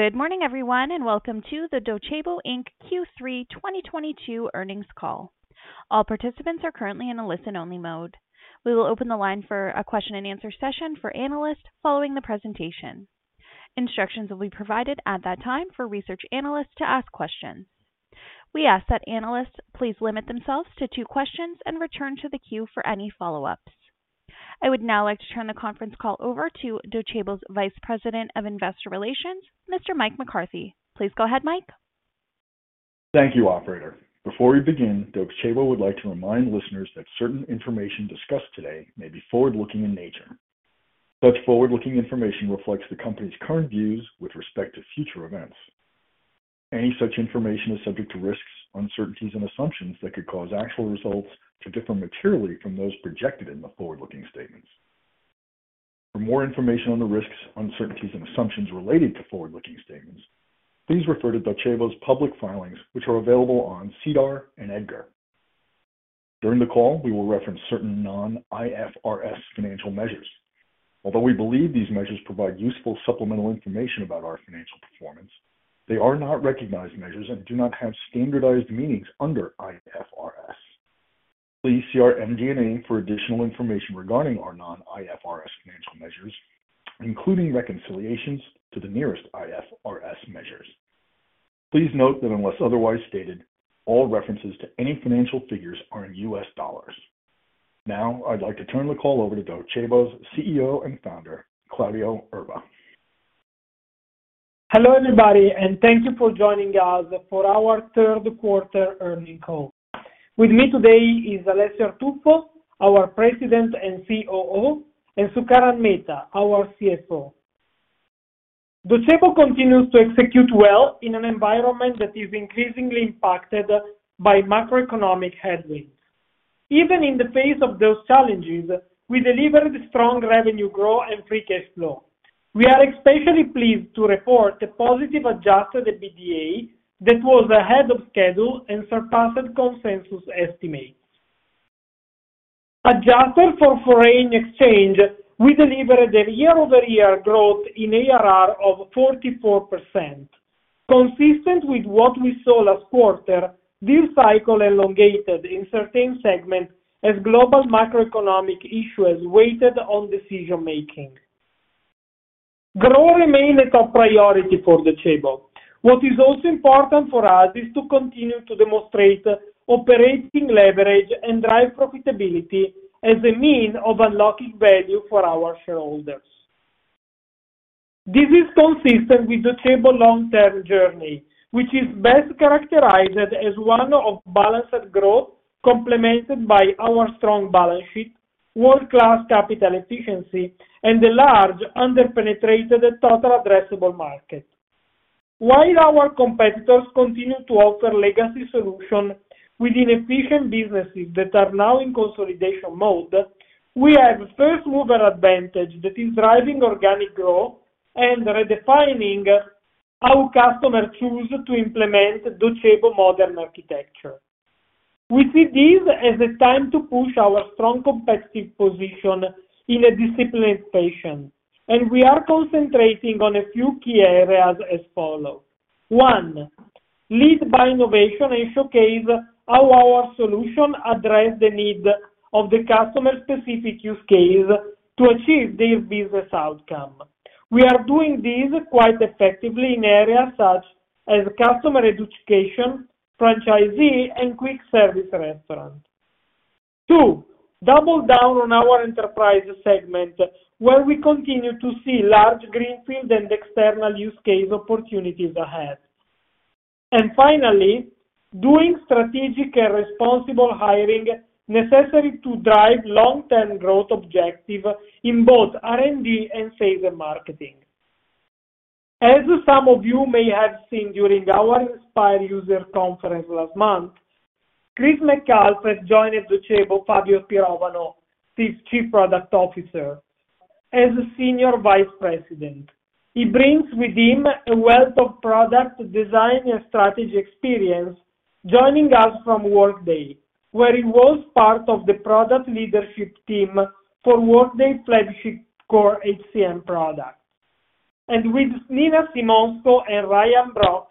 Good morning everyone, and welcome to the Docebo Inc. Q3 2022 Earnings Call. All participants are currently in a listen only mode. We will open the line for a question-and-answer session for analysts following the presentation. Instructions will be provided at that time for research analysts to ask questions. We ask that analysts please limit themselves to two questions and return to the queue for any follow-ups. I would now like to turn the conference call over to Docebo's Vice President of Investor Relations, Mr. Mike McCarthy. Please go ahead, Mike. Thank you, operator. Before we begin, Docebo would like to remind listeners that certain information discussed today may be forward-looking in nature. Such forward-looking information reflects the company's current views with respect to future events. Any such information is subject to risks, uncertainties, and assumptions that could cause actual results to differ materially from those projected in the forward-looking statements. For more information on the risks, uncertainties, and assumptions related to forward-looking statements, please refer to Docebo's public filings, which are available on SEDAR and EDGAR. During the call, we will reference certain non-IFRS financial measures. Although we believe these measures provide useful supplemental information about our financial performance, they are not recognized measures and do not have standardized meanings under IFRS. Please see our MD&A for additional information regarding our non-IFRS financial measures, including reconciliations to the nearest IFRS measures. Please note that unless otherwise stated, all references to any financial figures are in U.S. dollars. Now I'd like to turn the call over to Docebo's CEO and founder, Claudio Erba. Hello everybody, and thank you for joining us for our third quarter earnings call. With me today is Alessio Artuffo, our President and COO, and Sukaran Mehta, our CFO. Docebo continues to execute well in an environment that is increasingly impacted by macroeconomic headwinds. Even in the face of those challenges, we delivered strong revenue growth and free cash flow. We are especially pleased to report a positive adjusted EBITDA that was ahead of schedule and surpassed consensus estimates. Adjusted for foreign exchange, we delivered a year-over-year growth in ARR of 44%. Consistent with what we saw last quarter, this cycle elongated in certain segments as global macroeconomic issues weighed on decision-making. Growth remain a top priority for Docebo. What is also important for us is to continue to demonstrate operating leverage and drive profitability as a means of unlocking value for our shareholders. This is consistent with Docebo long-term journey, which is best characterized as one of balanced growth, complemented by our strong balance sheet, world-class capital efficiency, and the large underpenetrated total addressable market. While our competitors continue to offer legacy solution with inefficient businesses that are now in consolidation mode, we have first mover advantage that is driving organic growth and redefining how customers choose to implement Docebo modern architecture. We see this as a time to push our strong competitive position in a disciplined fashion, and we are concentrating on a few key areas as follows. One, lead by innovation and showcase how our solution address the need of the customer-specific use case to achieve this business outcome. We are doing this quite effectively in areas such as customer education, franchisee, and quick service restaurant. Two, double down on our enterprise segment, where we continue to see large greenfield and external use case opportunities ahead. Finally, doing strategic and responsible hiring necessary to drive long-term growth objective in both R&D and sales and marketing. As some of you may have seen during our Inspire user conference last month, Chris joined Docebo, Fabio Pirovano, Chief Product Officer, as Senior Vice President. He brings with him a wealth of product design and strategy experience, joining us from Workday, where he was part of the product leadership team for Workday flagship core HCM product. With Nina Simosko and Ryan Brock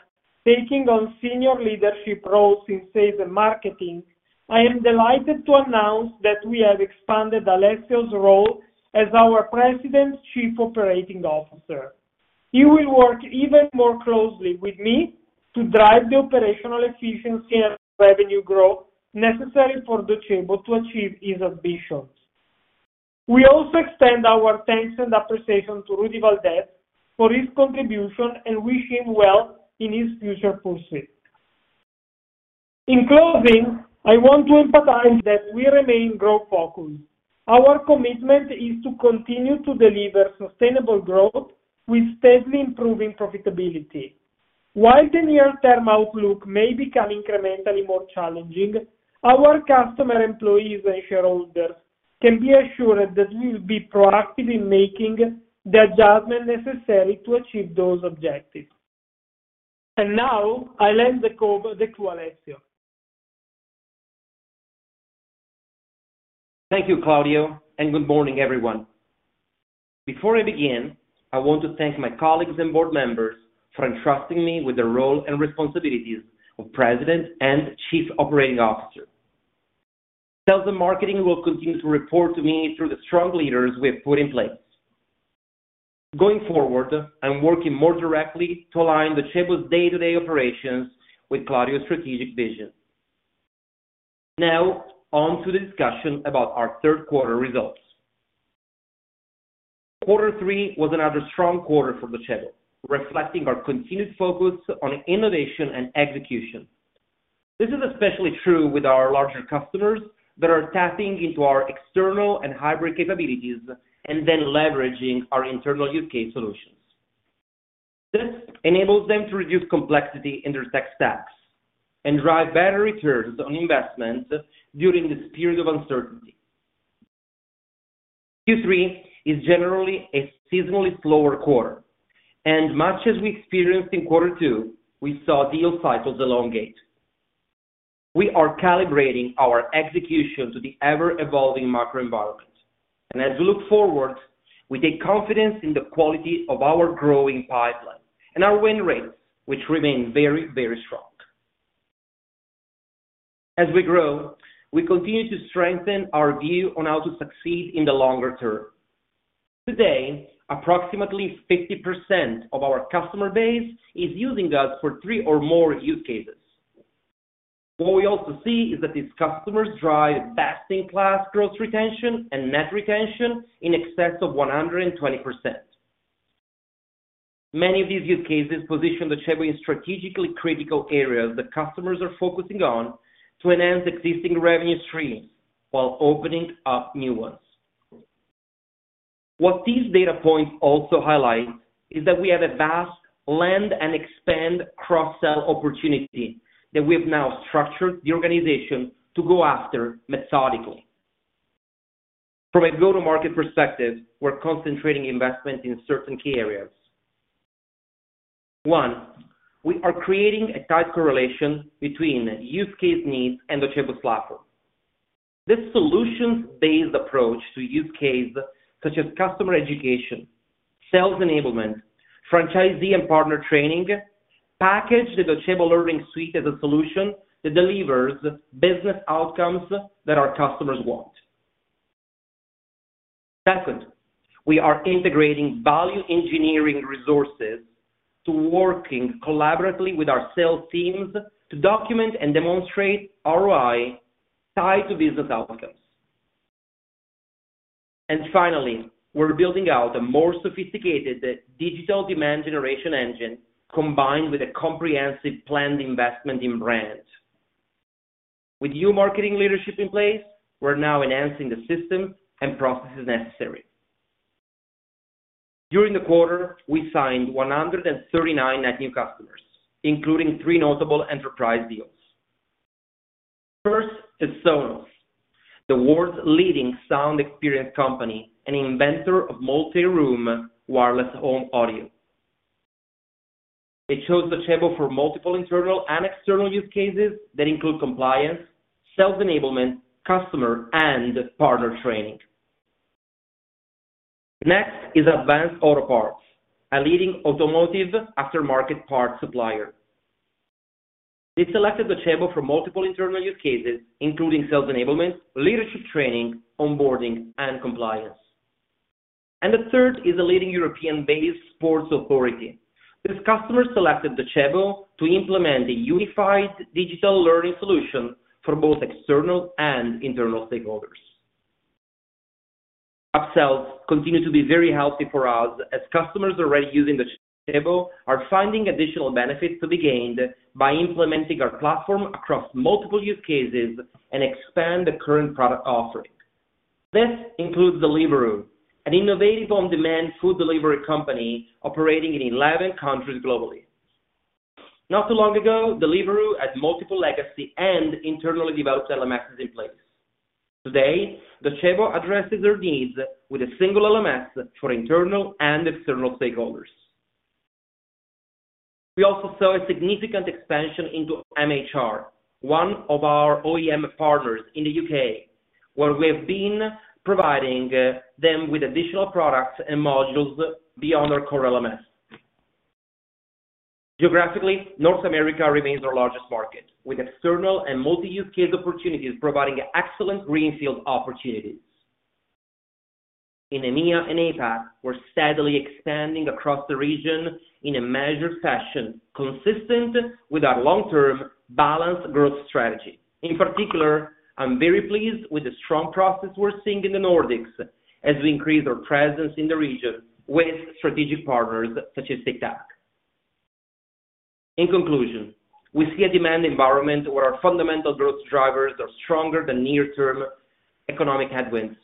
taking on senior leadership roles in sales and marketing, I am delighted to announce that we have expanded Alessio's role as our President & Chief Operating Officer. He will work even more closely with me to drive the operational efficiency and revenue growth necessary for Docebo to achieve his ambitions. We also extend our thanks and appreciation to Rudy Valdez for his contribution, and wish him well in his future pursuits. In closing, I want to emphasize that we remain growth-focused. Our commitment is to continue to deliver sustainable growth with steadily improving profitability. While the near-term outlook may become incrementally more challenging, our customer, employees, and shareholders can be assured that we'll be proactive in making the adjustment necessary to achieve those objectives. Now I'll hand the call over to Alessio. Thank you, Claudio, and good morning, everyone. Before I begin, I want to thank my colleagues and board members for entrusting me with the role and responsibilities of President and Chief Operating Officer. Sales and marketing will continue to report to me through the strong leaders we have put in place. Going forward, I'm working more directly to align Docebo's day-to-day operations with Claudio's strategic vision. Now on to the discussion about our third quarter results. Quarter three was another strong quarter for Docebo, reflecting our continued focus on innovation and execution. This is especially true with our larger customers that are tapping into our external and hybrid capabilities and then leveraging our internal use case solutions. This enables them to reduce complexity in their tech stacks and drive better returns on investment during this period of uncertainty. Q3 is generally a seasonally slower quarter, and much as we experienced in quarter two, we saw deal cycles elongate. We are calibrating our execution to the ever-evolving macro environment. As we look forward, we take confidence in the quality of our growing pipeline and our win rates, which remain very, very strong. As we grow, we continue to strengthen our view on how to succeed in the longer term. Today, approximately 50% of our customer base is using us for three or more use cases. What we also see is that these customers drive best-in-class growth retention and net retention in excess of 120%. Many of these use cases position Docebo in strategically critical areas that customers are focusing on to enhance existing revenue streams while opening up new ones. What these data points also highlight is that we have a vast land and expand cross-sell opportunity that we have now structured the organization to go after methodically. From a go-to-market perspective, we're concentrating investment in certain key areas. One, we are creating a tight correlation between use case needs and Docebo platform. This solutions-based approach to use case, such as customer education, sales enablement, franchisee and partner training, package the Docebo Learning Suite as a solution that delivers business outcomes that our customers want. Second, we are integrating value engineering resources into working collaboratively with our sales teams to document and demonstrate ROI tied to business outcomes. Finally, we're building out a more sophisticated digital demand generation engine, combined with a comprehensive planned investment in brands. With new marketing leadership in place, we're now enhancing the system and processes necessary. During the quarter, we signed 139 net new customers, including three notable enterprise deals. First is Sonos, the world's leading sound experience company and inventor of multi-room wireless home audio. It chose Docebo for multiple internal and external use cases that include compliance, sales enablement, customer and partner training. Next is Advance Auto Parts, a leading automotive aftermarket parts supplier. It selected Docebo for multiple internal use cases, including sales enablement, leadership training, onboarding, and compliance. The third is a leading European-based sports authority. This customer selected Docebo to implement a unified digital learning solution for both external and internal stakeholders. Up-sells continue to be very healthy for us as customers already using Docebo are finding additional benefits to be gained by implementing our platform across multiple use cases and expand the current product offering. This includes Deliveroo, an innovative on-demand food delivery company operating in 11 countries globally. Not too long ago, Deliveroo had multiple legacy and internally developed LMS in place. Today, Docebo addresses their needs with a single LMS for internal and external stakeholders. We also saw a significant expansion into MHR, one of our OEM partners in the U.K., where we have been providing them with additional products and modules beyond our core LMS. Geographically, North America remains our largest market, with external and multi-use case opportunities providing excellent greenfield opportunities. In EMEA and APAC, we're steadily expanding across the region in a measured fashion, consistent with our long-term balanced growth strategy. In particular, I'm very pleased with the strong progress we're seeing in the Nordics as we increase our presence in the region with strategic partners such as Tic Tac. In conclusion, we see a demand environment where our fundamental growth drivers are stronger than near-term economic headwinds.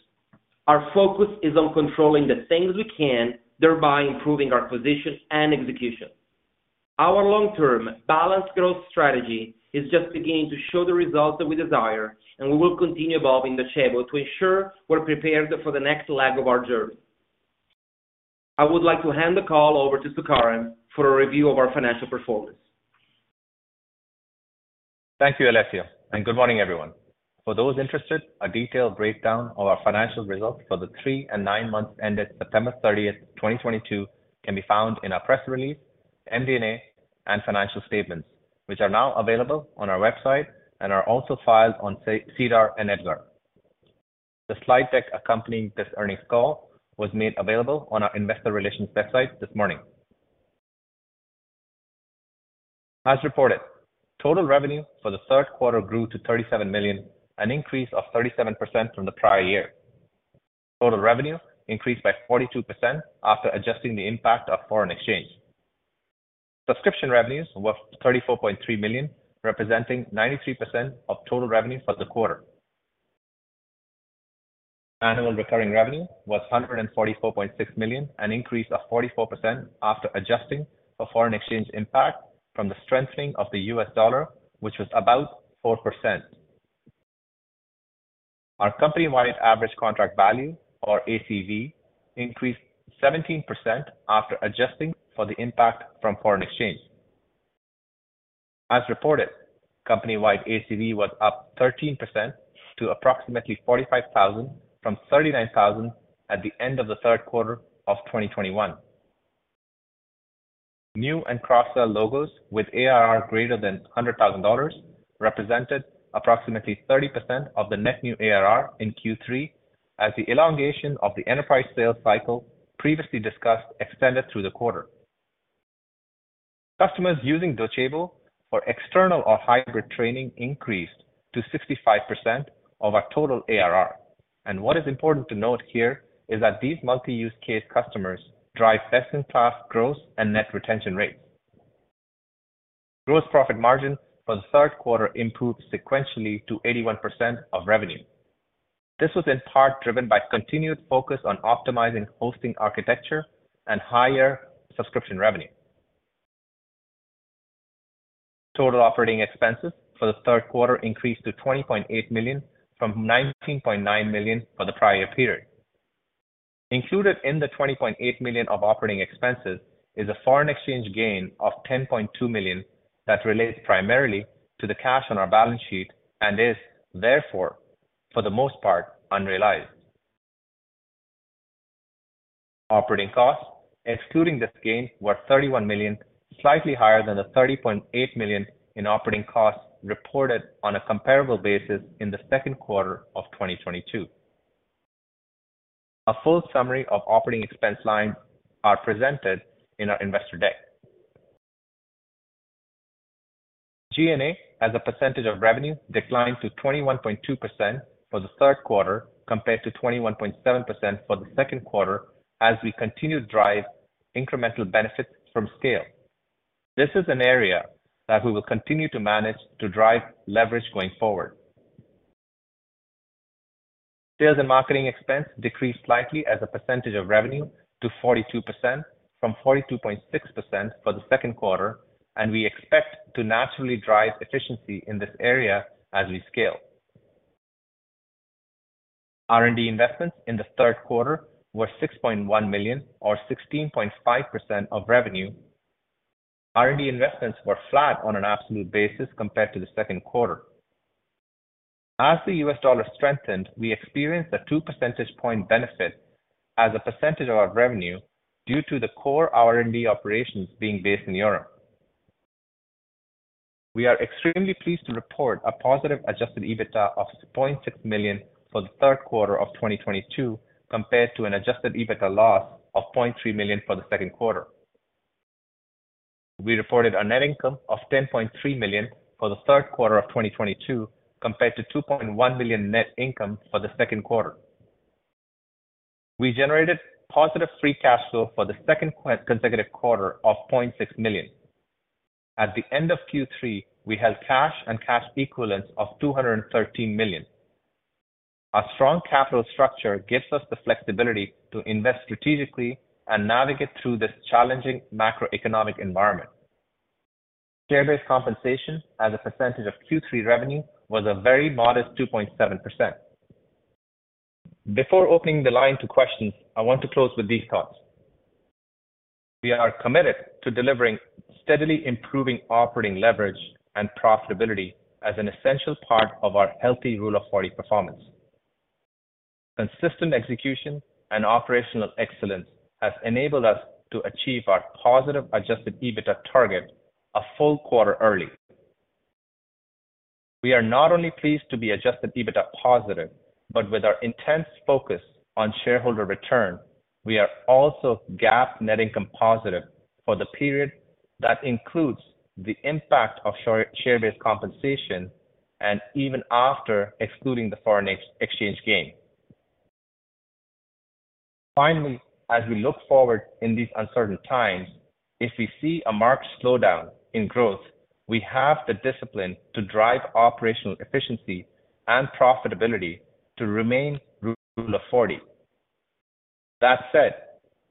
Our focus is on controlling the things we can, thereby improving our position and execution. Our long-term balanced growth strategy is just beginning to show the results that we desire, and we will continue evolving Docebo to ensure we're prepared for the next leg of our journey. I would like to hand the call over to Sukaran for a review of our financial performance. Thank you, Alessio, and good morning, everyone. For those interested, a detailed breakdown of our financial results for the three and nine months ended September 30th, 2022 can be found in our press release, MD&A, and financial statements, which are now available on our website and are also filed on SEDAR and EDGAR. The slide deck accompanying this earnings call was made available on our investor relations website this morning. As reported, total revenue for the third quarter grew to $37 million, an increase of 37% from the prior year. Total revenue increased by 42% after adjusting the impact of foreign exchange. Subscription revenues were $34.3 million, representing 93% of total revenue for the quarter. Annual recurring revenue was $144.6 million, an increase of 44% after adjusting for foreign exchange impact from the strengthening of the US dollar, which was about 4%. Our company-wide average contract value, or ACV, increased 17% after adjusting for the impact from foreign exchange. As reported, company-wide ACV was up 13% to approximately $45,000 from $39,000 at the end of the third quarter of 2021. New and cross-sell logos with ARR greater than $100,000 represented approximately 30% of the net new ARR in Q3 as the elongation of the enterprise sales cycle previously discussed extended through the quarter. Customers using Docebo for external or hybrid training increased to 65% of our total ARR. What is important to note here is that these multi-use case customers drive best-in-class growth and net retention rates. Gross profit margin for the third quarter improved sequentially to 81% of revenue. This was in part driven by continued focus on optimizing hosting architecture and higher subscription revenue. Total operating expenses for the third quarter increased to $20.8 million from $19.9 million for the prior period. Included in the $20.8 million of operating expenses is a foreign exchange gain of $10.2 million that relates primarily to the cash on our balance sheet and is, therefore, for the most part, unrealized. Operating costs, excluding this gain, were $31 million, slightly higher than the $30.8 million in operating costs reported on a comparable basis in the second quarter of 2022. A full summary of operating expense line are presented in our investor deck. G&A, as a percentage of revenue, declined to 21.2% for the third quarter compared to 21.7% for the second quarter as we continue to drive incremental benefits from scale. This is an area that we will continue to manage to drive leverage going forward. Sales and marketing expense decreased slightly as a percentage of revenue to 42% from 42.6% for the second quarter, and we expect to naturally drive efficiency in this area as we scale. R&D investments in the third quarter were $6.1 million or 16.5% of revenue. R&D investments were flat on an absolute basis compared to the second quarter. As the U.S. dollar strengthened, we experienced a two percentage point benefit as a percentage of our revenue due to the core R&D operations being based in Europe. We are extremely pleased to report a positive adjusted EBITDA of $0.6 million for the third quarter of 2022 compared to an adjusted EBITDA loss of $0.3 million for the second quarter. We reported a net income of $10.3 million for the third quarter of 2022 compared to $2.1 million net income for the second quarter. We generated positive free cash flow for the second consecutive quarter of $0.6 million. At the end of Q3, we held cash and cash equivalents of $213 million. Our strong capital structure gives us the flexibility to invest strategically and navigate through this challenging macroeconomic environment. Share-based compensation as a percentage of Q3 revenue was a very modest 2.7%. Before opening the line to questions, I want to close with these thoughts. We are committed to delivering steadily improving operating leverage and profitability as an essential part of our healthy Rule of 40 performance. Consistent execution and operational excellence has enabled us to achieve our positive adjusted EBITDA target a full quarter early. We are not only pleased to be adjusted EBITDA positive, but with our intense focus on shareholder return, we are also GAAP net income positive for the period that includes the impact of share-based compensation and even after excluding the foreign exchange gain. Finally, as we look forward in these uncertain times, if we see a marked slowdown in growth, we have the discipline to drive operational efficiency and profitability to remain Rule of 40. That said,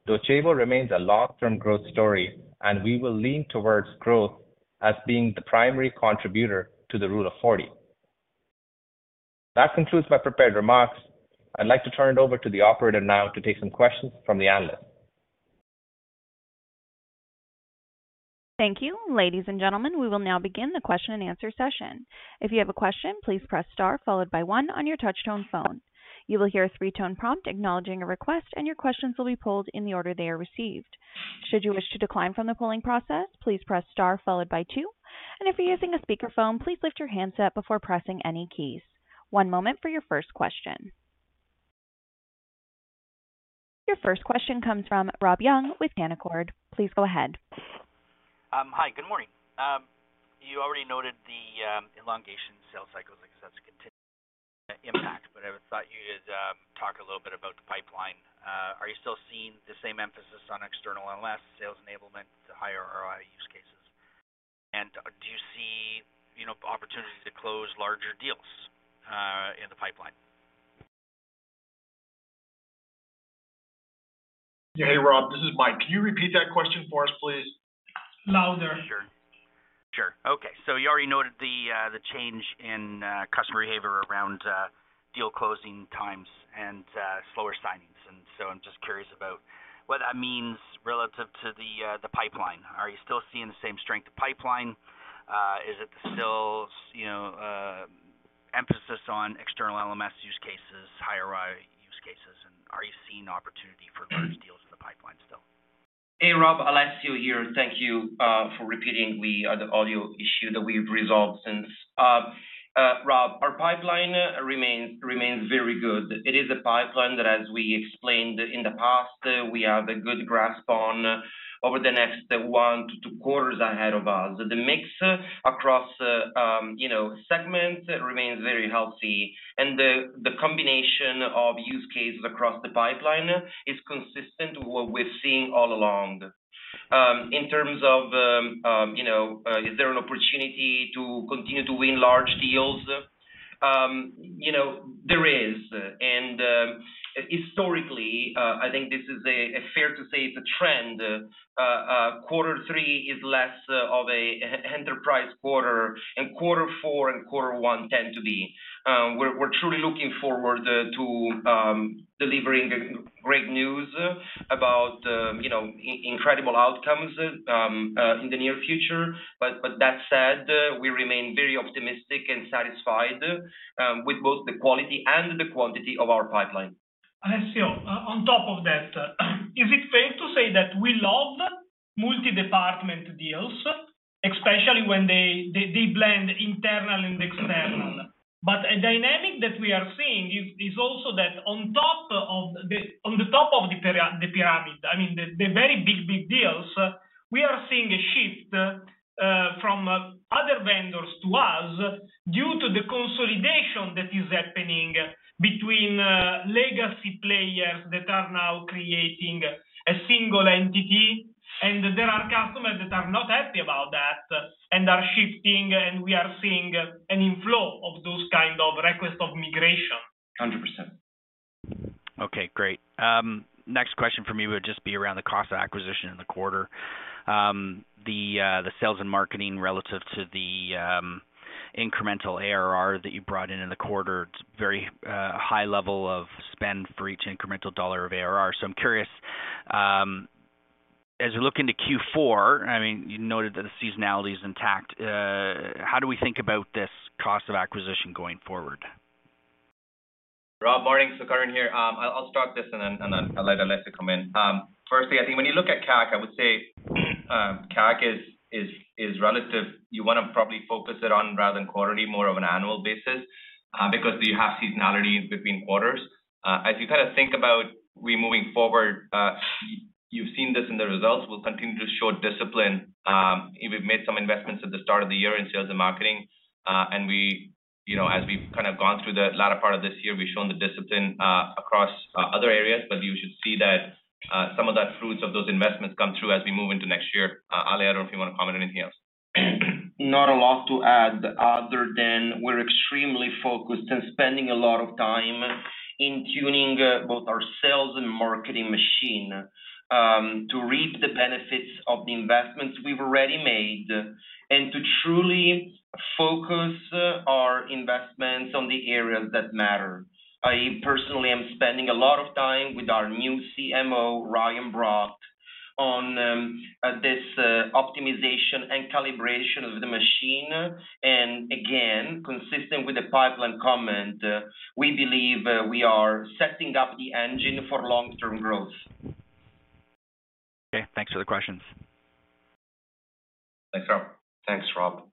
Docebo remains a long-term growth story, and we will lean towards growth as being the primary contributor to the Rule of 40. That concludes my prepared remarks. I'd like to turn it over to the operator now to take some questions from the analysts. Thank you. Ladies and gentlemen, we will now begin the question and answer session. If you have a question, please press star followed by one on your touch-tone phone. You will hear a three-tone prompt acknowledging a request, and your questions will be pulled in the order they are received. Should you wish to decline from the polling process, please press star followed by two, and if you're using a speakerphone, please lift your handset before pressing any keys. One moment for your first question. Your first question comes from Rob Young with Canaccord. Please go ahead. Hi, good morning. You already noted the elongated sales cycles like continued impact. I thought you would talk a little bit about the pipeline. Are you still seeing the same emphasis on external LMS sales enablement, the higher ROI use cases? Do you see, you know, opportunities to close larger deals in the pipeline? Yeah. Hey, Rob, this is Mike. Can you repeat that question for us, please? Louder. Sure. Okay. You already noted the change in customer behavior around deal closing times and slower signings. I'm just curious about what that means relative to the pipeline. Are you still seeing the same strength of pipeline? Is it still, you know, emphasis on external LMS use cases, higher ROI use cases, and are you seeing opportunity for growth deals in the pipeline still? Hey, Rob, Alessio here. Thank you for repeating. We had the audio issue that we've resolved since. Rob, our pipeline remains very good. It is a pipeline that, as we explained in the past, we have a good grasp on over the next 1-2 quarters ahead of us. The mix across segments remains very healthy, and the combination of use cases across the pipeline is consistent with what we've seen all along. In terms of, is there an opportunity to continue to win large deals? There is, and historically, I think this is fair to say it's a trend, quarter three is less of an enterprise quarter, and quarter four and quarter one tend to be. We're truly looking forward to delivering great news about you know incredible outcomes in the near future. That said, we remain very optimistic and satisfied with both the quality and the quantity of our pipeline. Alessio, on top of that, is it fair to say that we love multi-department deals, especially when they blend internal and external? A dynamic that we are seeing is also that on top of the pyramid, I mean, the very big deals, we are seeing a shift from other vendors to us due to the consolidation that is happening between legacy players that are now creating a single entity, and there are customers that are not happy about that and are shifting, and we are seeing an inflow of those kind of requests of migration. 100%. Okay, great. Next question for me would just be around the cost of acquisition in the quarter. The sales and marketing relative to the incremental ARR that you brought in in the quarter. It's very high level of spend for each incremental dollar of ARR. So I'm curious, as you look into Q4, I mean, you noted that the seasonality is intact, how do we think about this cost of acquisition going forward? Rob, morning. Sukaran here. I'll start this and then I'll let Alessio come in. Firstly, I think when you look at CAC, I would say, CAC is relative. You wanna probably focus it on rather than quarterly, more of an annual basis, because you have seasonality between quarters. As you kind of think about we moving forward, you've seen this in the results, we'll continue to show discipline. We've made some investments at the start of the year in sales and marketing, and as we've kind of gone through the latter part of this year, we've shown the discipline across other areas, but you should see that, some of that fruits of those investments come through as we move into next year. Alessio, I don't know if you want to comment anything else. Not a lot to add other than we're extremely focused and spending a lot of time in tuning both our sales and marketing machine, to reap the benefits of the investments we've already made and to truly focus our investments on the areas that matter. I personally am spending a lot of time with our new CMO, Ryan Brock, on this optimization and calibration of the machine, and again, consistent with the pipeline comment, we believe we are setting up the engine for long-term growth. Okay. Thanks for the questions. Thanks, Rob. Thanks, Rob.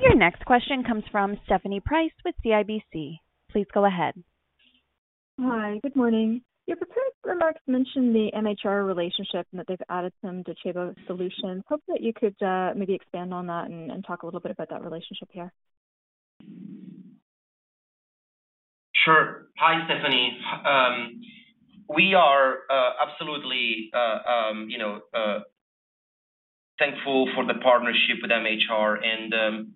Your next question comes from Stephanie Price with CIBC. Please go ahead. Hi. Good morning. Your prepared remarks mentioned the MHR relationship and that they've added some Docebo solutions. Hope that you could, maybe expand on that and talk a little bit about that relationship here. Sure. Hi, Stephanie. We are absolutely, you know, thankful for the partnership with MHR and,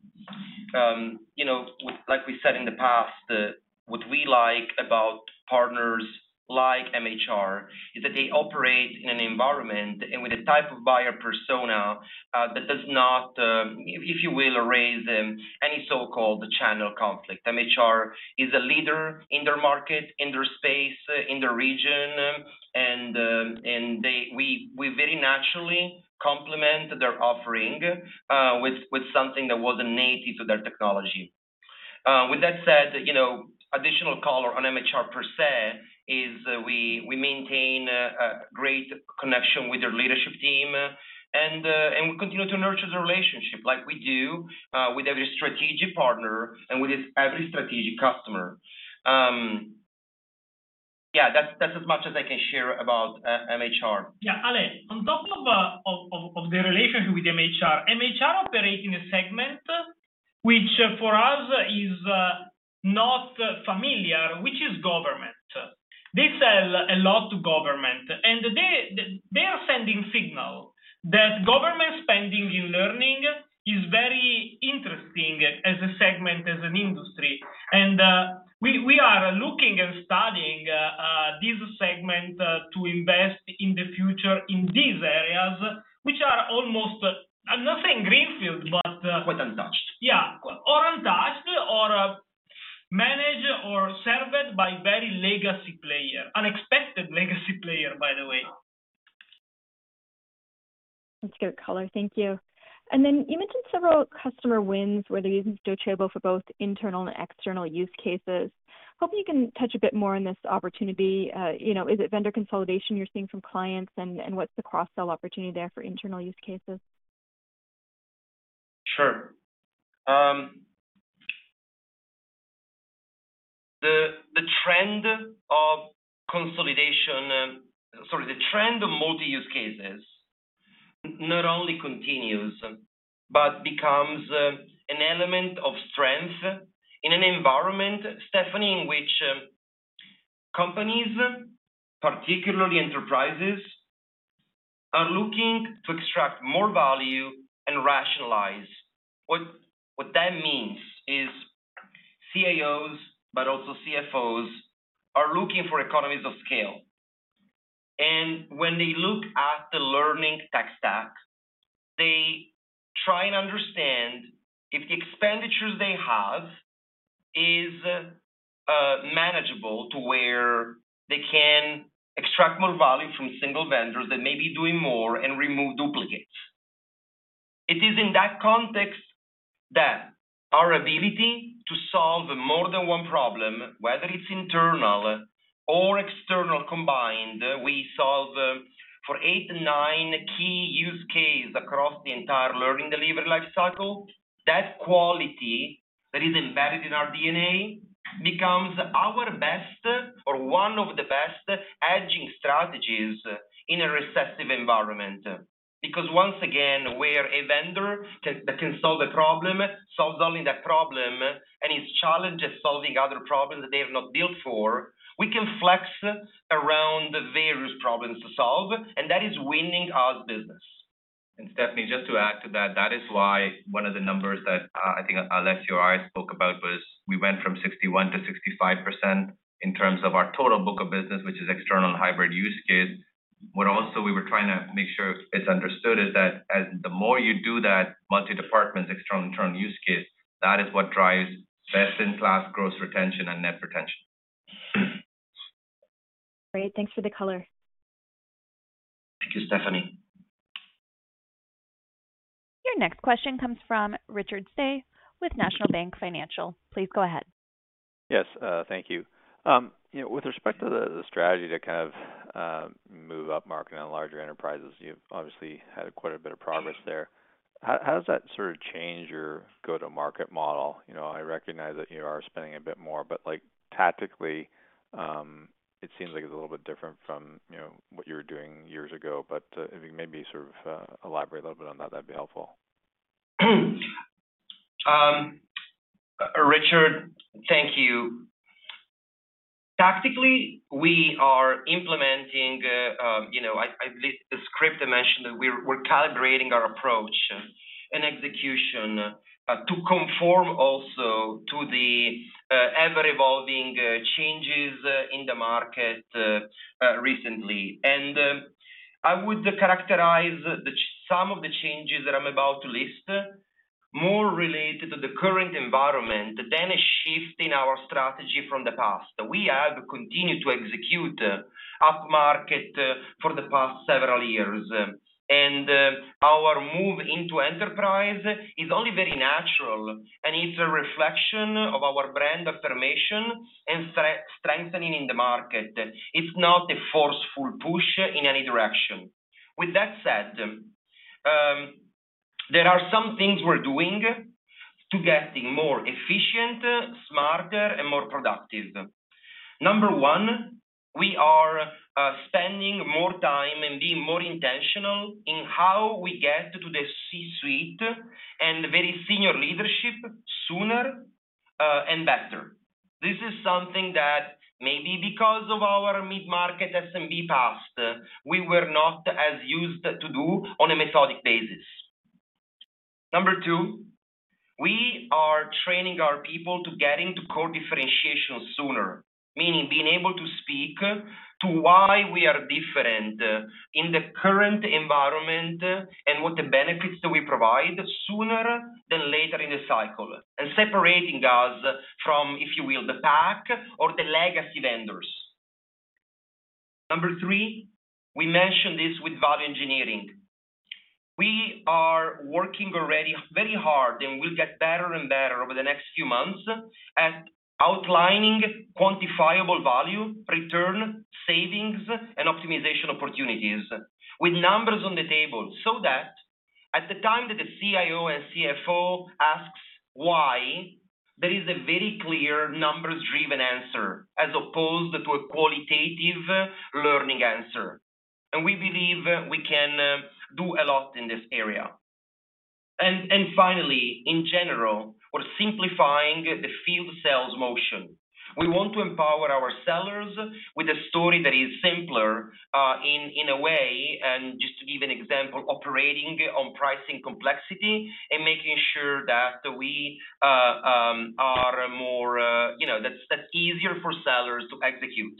you know, like we said in the past, what we like about partners like MHR is that they operate in an environment and with the type of buyer persona that does not, if you will, raise any so-called channel conflict. MHR is a leader in their market, in their space, in the region, and we very naturally complement their offering with something that was innate to their technology. With that said, you know, additional color on MHR per se is we maintain a great connection with their leadership team and we continue to nurture the relationship like we do with every strategic partner and with every strategic customer. Yeah, that's as much as I can share about MHR. Yeah. Ale, on top of the relationship with MHR operate in a segment which for us is not familiar, which is government. They sell a lot to government, and they are sending signal that government spending in learning is very interesting as a segment, as an industry. We are looking and studying this segment to invest in the future in these areas which are almost, I'm not saying greenfield, but Quite untouched. Yeah. Or untouched or managed or served by very legacy player. Unexpected legacy player, by the way. That's good color. Thank you. Then you mentioned several customer wins where they're using Docebo for both internal and external use cases. Hoping you can touch a bit more on this opportunity. You know, is it vendor consolidation you're seeing from clients, and what's the cross-sell opportunity there for internal use cases? Sure. The trend of multi-use cases not only continues but becomes an element of strength in an environment, Stephanie, in which companies, particularly enterprises, are looking to extract more value and rationalize. What that means is CIOs, but also CFOs, are looking for economies of scale. When they look at the learning tech stack, they try and understand if the expenditures they have is manageable to where they can extract more value from single vendors that may be doing more and remove duplicates. It is in that context that our ability to solve more than one problem, whether it's internal or external combined, we solve for 8, 9 key use case across the entire learning delivery life cycle. That quality that is embedded in our DNA becomes our best or one of the best hedging strategies in a recessionary environment. Because once again, where a vendor can solve the problem, solves only that problem, and its challenge is solving other problems that they have not built for, we can flex around the various problems to solve, and that is winning us business. Stephanie, just to add to that is why one of the numbers that I think Alessio or I spoke about was we went from 61%-65% in terms of our total book of business, which is external and hybrid use case. What also we were trying to make sure it's understood is that as the more you do that multi-department external, internal use case, that is what drives best-in-class gross retention and net retention. Great. Thanks for the color. Thank you, Stephanie. Your next question comes from Richard Tse with National Bank Financial. Please go ahead. Yes, thank you. You know, with respect to the strategy to kind of move upmarket on larger enterprises, you've obviously had quite a bit of progress there. How does that sort of change your go-to-market model? You know, I recognize that you are spending a bit more, but, like, tactically, it seems like it's a little bit different from, you know, what you were doing years ago. If you maybe sort of elaborate a little bit on that'd be helpful. Richard, thank you. Tactically, we are implementing, you know, the script I mentioned, we're calibrating our approach and execution to conform also to the ever-evolving changes in the market recently. I would characterize some of the changes that I'm about to list more related to the current environment than a shift in our strategy from the past. We have continued to execute upmarket for the past several years, and our move into enterprise is only very natural, and it's a reflection of our brand affirmation and strengthening in the market. It's not a forceful push in any direction. With that said, there are some things we're doing to getting more efficient, smarter, and more productive. Number 1, we are spending more time and being more intentional in how we get to the C-suite and very senior leadership sooner and better. This is something that maybe because of our mid-market SMB past, we were not as used to do on a methodic basis. Number 2, we are training our people to getting to core differentiation sooner, meaning being able to speak to why we are different in the current environment, and what the benefits do we provide sooner than later in the cycle, and separating us from, if you will, the pack or the legacy vendors. Number 3, we mentioned this with value engineering. We are working already very hard, and we'll get better and better over the next few months at outlining quantifiable value, return, savings, and optimization opportunities with numbers on the table, so that at the time that the CIO and CFO asks why, there is a very clear numbers-driven answer as opposed to a qualitative learning answer. We believe we can do a lot in this area. Finally, in general, we're simplifying the field sales motion. We want to empower our sellers with a story that is simpler in a way, and just to give an example, operating on pricing complexity and making sure that we are more, you know, that's easier for sellers to execute.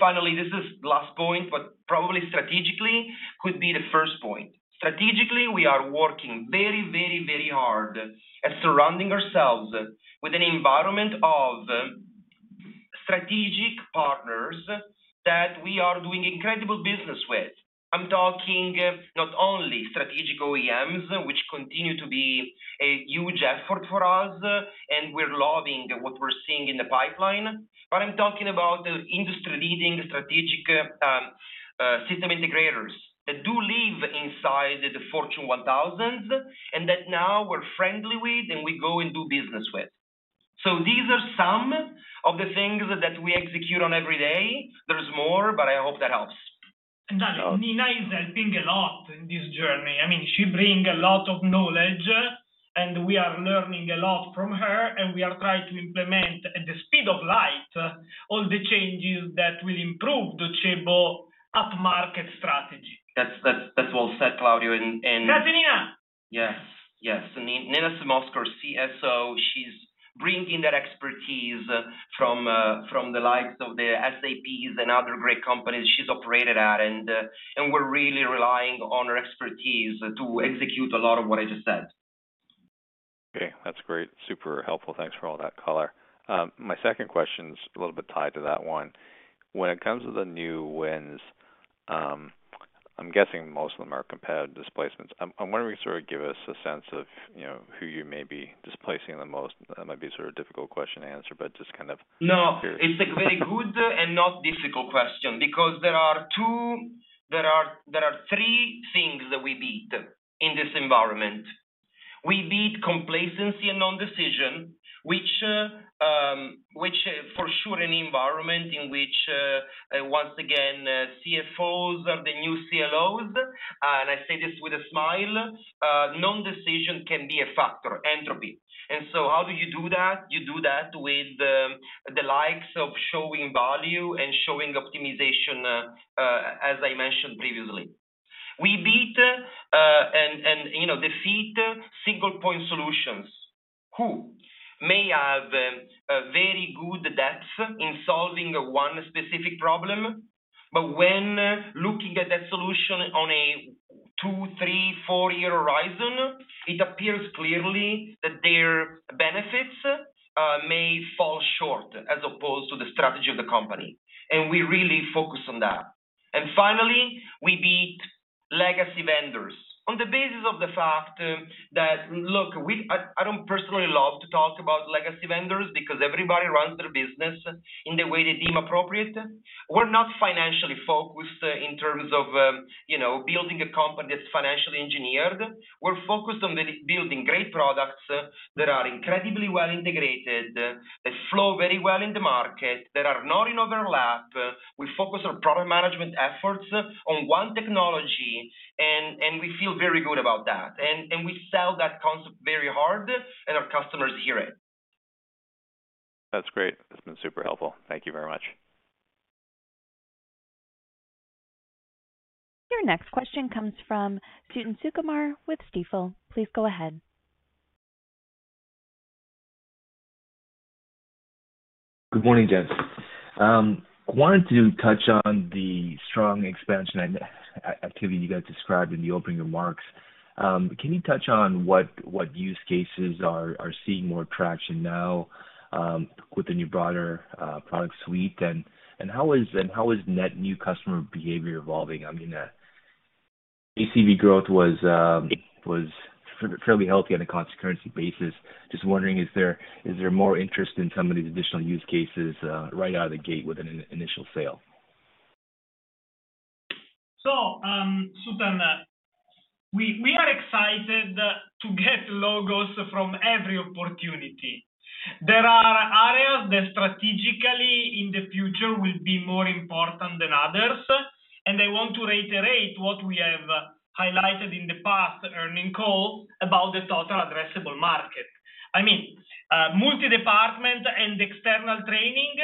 Finally, this is last point, but probably strategically could be the first point. Strategically, we are working very, very, very hard at surrounding ourselves with an environment of strategic partners that we are doing incredible business with. I'm talking not only strategic OEMs, which continue to be a huge effort for us, and we're loving what we're seeing in the pipeline, but I'm talking about industry-leading strategic, system integrators that do live inside the Fortune 1000, and that now we're friendly with, and we go and do business with. These are some of the things that we execute on every day. There's more, but I hope that helps. Alessio and Nina is helping a lot in this journey. I mean, she bring a lot of knowledge, and we are learning a lot from her, and we are trying to implement at the speed of light all the changes that will improve the Docebo up-market strategy. That's well said, Claudio, and That's Nina. Yes. Yes. Nina Simosko, our CSO, she's bringing that expertise from the likes of the SAP and other great companies she's operated at, and we're really relying on her expertise to execute a lot of what I just said. Okay. That's great. Super helpful. Thanks for all that color. My second question's a little bit tied to that one. When it comes to the new wins, I'm guessing most of them are competitive displacements. I'm wondering if you can sort of give us a sense of, you know, who you may be displacing the most. That might be sort of a difficult question to answer. No, it's a very good and not difficult question because there are three things that we beat in this environment. We beat complacency and non-decision, which for sure in environment in which once again, CFOs are the new CLOs, and I say this with a smile, non-decision can be a factor, entropy. How do you do that? You do that with the likes of showing value and showing optimization, as I mentioned previously. We beat and, you know, defeat single-point solutions who may have a very good depth in solving one specific problem. But when looking at that solution on a two, three, four year horizon, it appears clearly that their benefits may fall short as opposed to the strategy of the company, and we really focus on that. Finally, we beat legacy vendors. On the basis of the fact that, look, I don't personally love to talk about legacy vendors because everybody runs their business in the way they deem appropriate. We're not financially focused in terms of, you know, building a company that's financially engineered. We're focused on building great products that are incredibly well-integrated, that flow very well in the market, that are not in overlap. We focus our product management efforts on one technology and we feel very good about that. We sell that concept very hard, and our customers hear it. That's great. That's been super helpful. Thank you very much. Your next question comes from Suthan Sukumar with Stifel. Please go ahead. Good morning, gents. Wanted to touch on the strong expansion and activity you guys described in the opening remarks. Can you touch on what use cases are seeing more traction now with the new broader product suite? And how is net new customer behavior evolving? I mean, ACV growth was fairly healthy on a constant currency basis. Just wondering, is there more interest in some of these additional use cases right out of the gate with an initial sale? Suthan, we are excited to get logos from every opportunity. There are areas that strategically in the future will be more important than others, and I want to reiterate what we have highlighted in the past earnings call about the total addressable market. I mean, multi-department training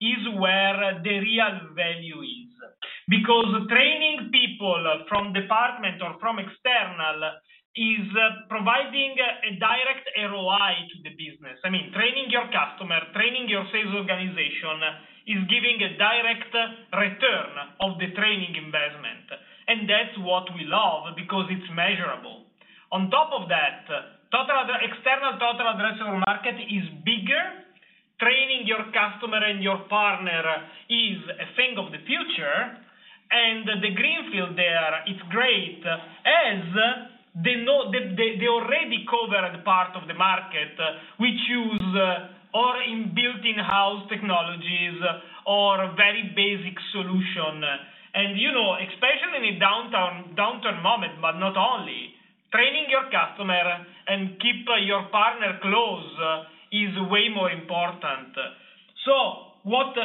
is where the real value is because training people from department or from external is providing a direct ROI to the business. I mean, training your customer, training your sales organization is giving a direct return of the training investment, and that's what we love because it's measurable. On top of that, external total addressable market is bigger. Training your customer and your partner is a thing of the future, and the greenfield there is great as the known, the already covered part of the market which use or inbuilt in-house technologies or very basic solution. You know, especially in a downturn moment, but not only, training your customer and keep your partner close is way more important. What,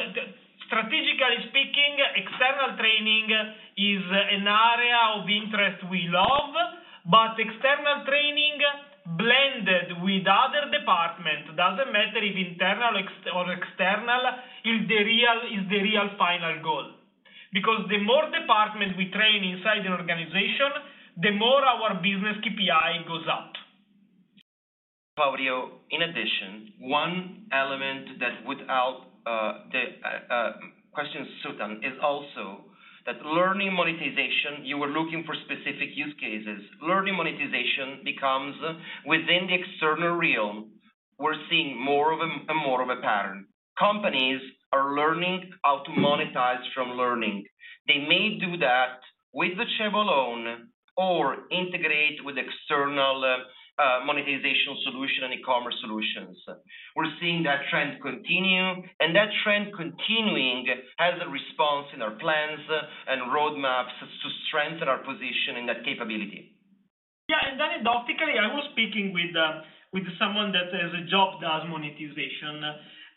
strategically speaking, external training is an area of interest we love, but external training blended with other department, doesn't matter if internal or external, is the real final goal. Because the more departments we train inside an organization, the more our business KPI goes up. Claudio, in addition, one element that without question, Suthan, is also that learning monetization. You were looking for specific use cases. Learning monetization becomes within the external realm. We're seeing more of a pattern. Companies are learning how to monetize from learning. They may do that with the Docebo alone or integrate with external monetization solution and e-commerce solutions. We're seeing that trend continue, and that trend continuing has a response in our plans and roadmaps to strengthen our position and that capability. Anecdotally, I was speaking with someone that as a job does monetization,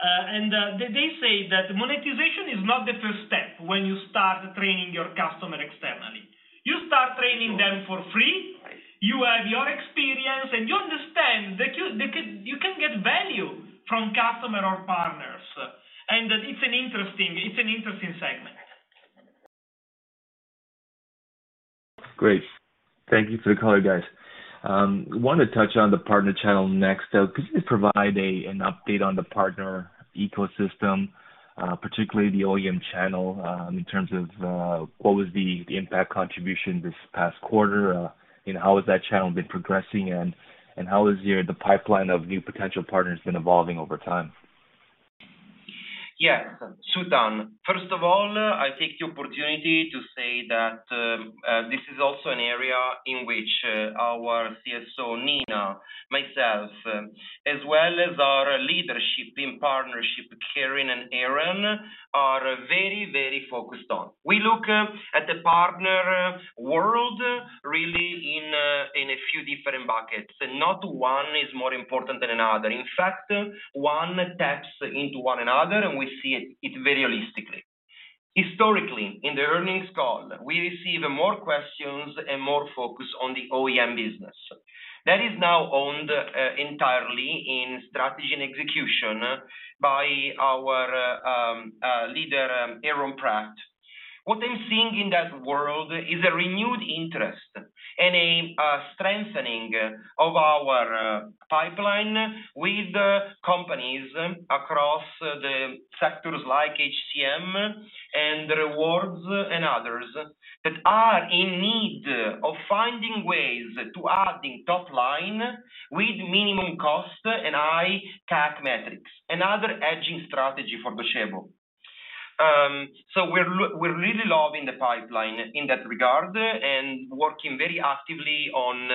and they say that monetization is not the first step when you start training your customer externally. You start training them for free. Right. You have your experience, and you understand that you can get value from customer or partners, and it's an interesting segment. Great. Thank you for the color, guys. Want to touch on the partner channel next. Could you just provide an update on the partner ecosystem, particularly the OEM channel, in terms of what was the impact contribution this past quarter, you know, how has that channel been progressing and how has the pipeline of new potential partners been evolving over time? Yes, Suthan. First of all, I take the opportunity to say that this is also an area in which our CSO, Nina Simosko, myself, as well as our leadership in partnership, Karen and Aaron, are very, very focused on. We look at the partner world really in a few different buckets, and not one is more important than another. In fact, one taps into one another, and we see it very realistically. Historically, in the earnings call, we receive more questions and more focus on the OEM business. That is now owned entirely in strategy and execution by our leader, Aaron Pratt. What I'm seeing in that world is a renewed interest and a strengthening of our pipeline with companies across the sectors like HCM and rewards and others that are in need of finding ways to adding top line with minimum cost and high CAC metrics, another embedding strategy for Docebo. We're really loving the pipeline in that regard and working very actively on,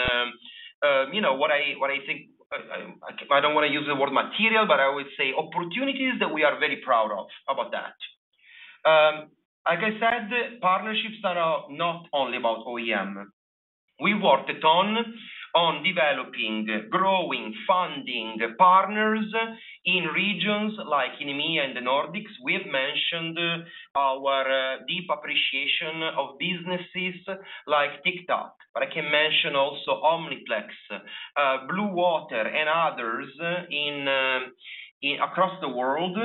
you know, what I think I don't wanna use the word material, but I would say opportunities that we are very proud of about that. Like I said, partnerships are not only about OEM. We worked a ton on developing, growing, finding partners in regions like in EMEA and the Nordics. We've mentioned our deep appreciation of businesses like TikTok. I can mention also Omniplex, Bluewater and others across the world,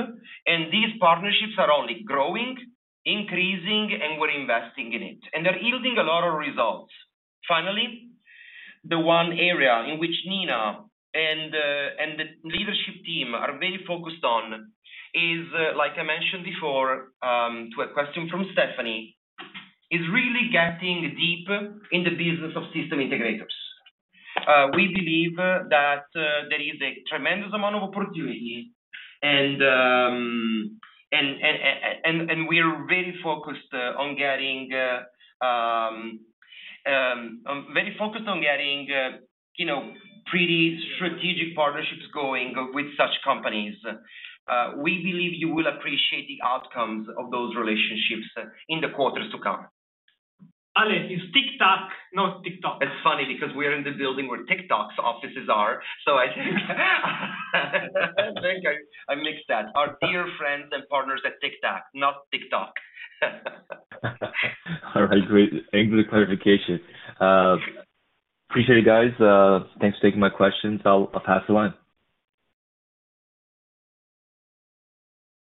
and these partnerships are only growing, increasing, and we're investing in it, and they're yielding a lot of results. Finally, the one area in which Nina and the leadership team are very focused on is, like I mentioned before, to a question from Stephanie, is really getting deep in the business of system integrators. We believe that there is a tremendous amount of opportunity and we're very focused on getting, you know, pretty strategic partnerships going with such companies. We believe you will appreciate the outcomes of those relationships in the quarters to come. Ale, it's Tic Tac, not TikTok. It's funny because we are in the building where TikTok's offices are, so I think I mixed that. Our dear friends and partners at Tic Tac, not TikTok. All right, great. Thanks for the clarification. Appreciate it guys. Thanks for taking my questions. I'll pass along.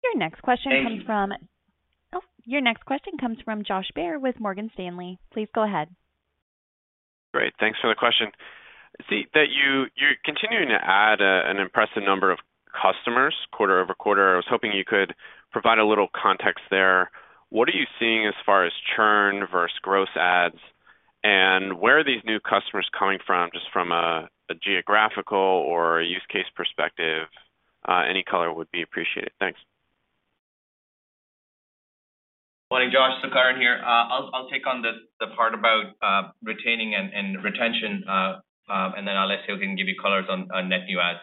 Your next question comes from. Thank you. Oh, your next question comes from Josh Baer with Morgan Stanley. Please go ahead. Great. Thanks for the question. I see that you're continuing to add an impressive number of customers quarter over quarter. I was hoping you could provide a little context there. What are you seeing as far as churn versus growth adds, and where are these new customers coming from, just from a geographical or use case perspective? Any color would be appreciated. Thanks. Morning, Josh. Sukaran here. I'll take on the part about retaining and retention, and then Alessio can give you color on net new adds.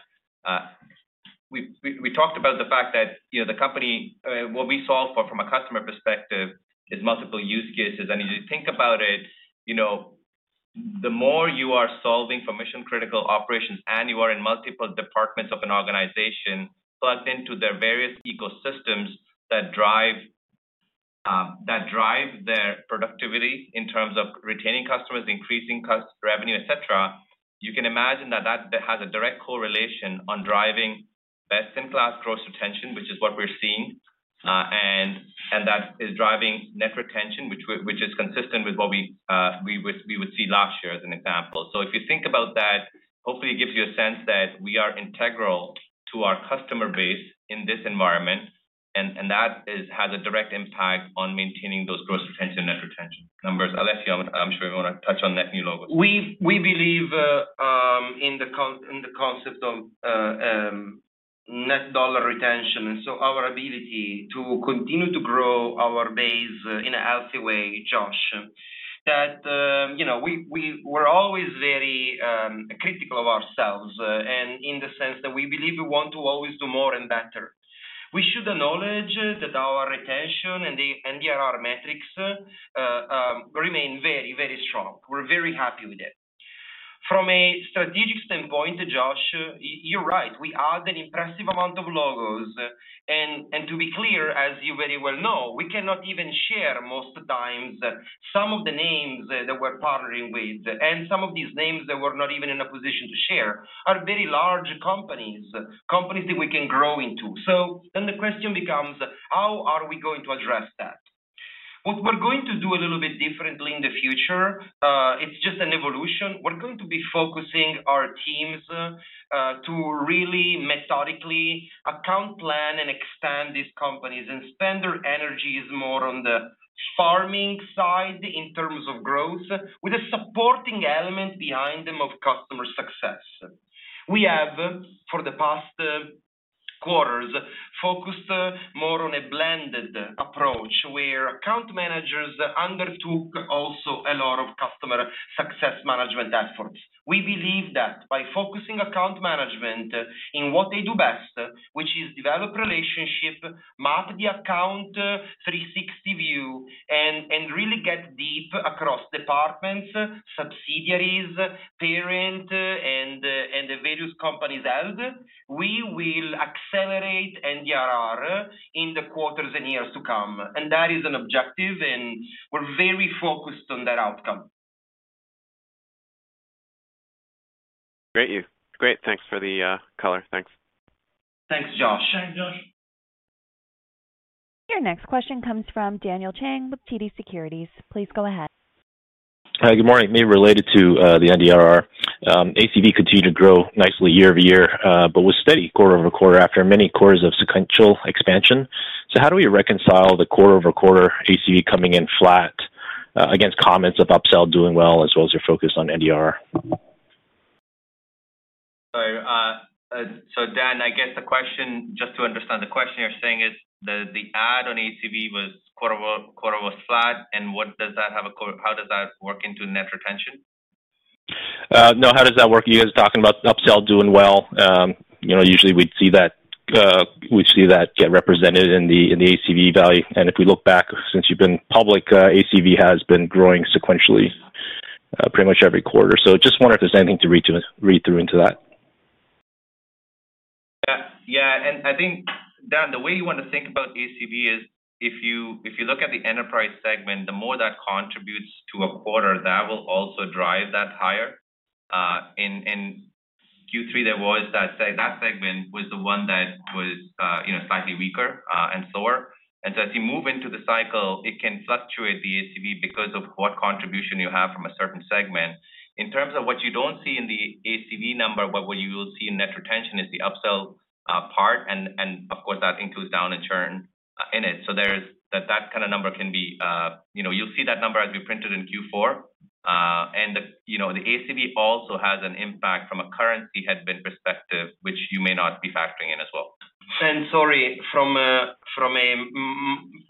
We talked about the fact that, you know, the company—what we solve for from a customer perspective is multiple use cases. If you think about it, you know, the more you are solving for mission-critical operations, and you are in multiple departments of an organization plugged into their various ecosystems that drive their productivity in terms of retaining customers, increasing revenue, et cetera, you can imagine that that has a direct correlation on driving best-in-class gross retention, which is what we're seeing. That is driving net retention which is consistent with what we would see last year as an example. If you think about that, hopefully it gives you a sense that we are integral to our customer base in this environment and that has a direct impact on maintaining those gross retention, net retention numbers. Alessio, I'm sure you wanna touch on net new logos. We believe in the concept of net dollar retention, and so our ability to continue to grow our base in a healthy way, Josh. That, you know, we're always very critical of ourselves and in the sense that we believe we want to always do more and better. We should acknowledge that our retention and the NDR metrics remain very, very strong. We're very happy with it. From a strategic standpoint, Josh, you're right. We add an impressive amount of logos. To be clear, as you very well know, we cannot even share most times some of the names that we're partnering with. Some of these names that we're not even in a position to share are very large companies that we can grow into. The question becomes: How are we going to address that? What we're going to do a little bit differently in the future, it's just an evolution. We're going to be focusing our teams to really methodically account plan and extend these companies, and spend their energies more on the farming side in terms of growth with a supporting element behind them of customer success. We have, for the past quarters, focused more on a blended approach, where account managers undertook also a lot of customer success management efforts. We believe that by focusing account management in what they do best, which is develop relationship, map the account 360 view, and really get deep across departments, subsidiaries, parent, and the various companies held, we will accelerate NDR in the quarters and years to come. That is an objective, and we're very focused on that outcome. Great, thanks for the color. Thanks. Thanks, Josh. Thanks, Josh. Your next question comes from Daniel Chan with TD Securities. Please go ahead. Hi, good morning. Maybe related to the NDR. ACV continued to grow nicely year-over-year, but was steady quarter-over-quarter after many quarters of sequential expansion. How do we reconcile the quarter-over-quarter ACV coming in flat against comments of upsell doing well, as well as your focus on NDR? Sorry. Dan, I guess the question, just to understand the question, you're saying is the add-on ACV was quarter-over-quarter flat, and how does that work into net retention? No. How does that work, you guys talking about upsell doing well? You know, usually we'd see that, we see that get represented in the ACV value. If we look back since you've been public, ACV has been growing sequentially, pretty much every quarter. Just wonder if there's anything to read through into that. Yeah. Yeah, and I think, Dan, the way you wanna think about ACV is if you look at the enterprise segment, the more that contributes to a quarter, that will also drive that higher. In Q3 there was that segment was the one that was, you know, slightly weaker, and slower. As you move into the cycle, it can fluctuate the ACV because of what contribution you have from a certain segment. In terms of what you don't see in the ACV number, but what you will see in net retention is the upsell part and of course that includes down and churn in it. That kinda number can be, you know, you'll see that number as we print it in Q4. You know, the ACV also has an impact from a currency headwind perspective, which you may not be factoring in as well. Sorry, from an